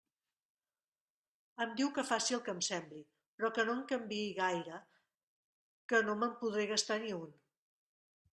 Em diu que faci el que em sembli, però que no en canviï gaire, que no me'n podré gastar ni un.